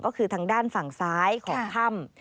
ก็คือทางด้านฝั่งซ้ายของถ้ำ